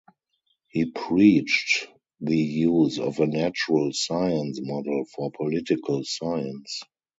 He preached the use of a natural science model for political science.